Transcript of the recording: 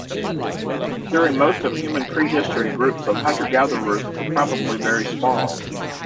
During most of human prehistory groups of hunter-gatherers were probably very small.